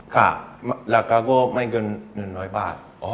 ค่ะแล้วก็ไม่เกิน๑๐๐บาท